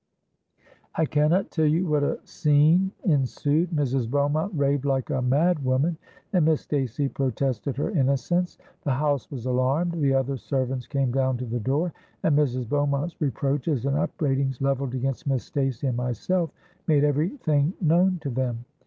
"I cannot tell you what a scene ensued. Mrs. Beaumont raved like a mad woman, and Miss Stacey protested her innocence. The house was alarmed—the other servants came down to the door—and Mrs. Beaumont's reproaches and upbraidings, levelled against Miss Stacey and myself, made every thing known to them.